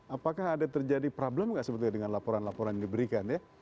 apakah ada terjadi problem nggak sebetulnya dengan laporan laporan yang diberikan ya